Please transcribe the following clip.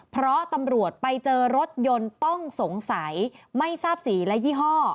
เพราะตำรวจไปเจอรถยนต์ต้องสงสัยไม่ทราบสีและยี่ห้อ